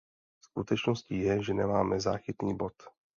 Skutečností je, že nemáme záchytný bod.